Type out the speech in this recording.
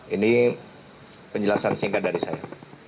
ini penjelasan singkat dari saya